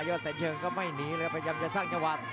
อดแสนเชิงก็ไม่หนีเลยครับพยายามจะสร้างจังหวะ